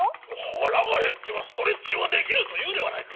はらがへってはストレッチはできぬというではないか。